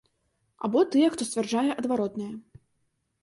Або тыя, хто сцвярджае адваротнае.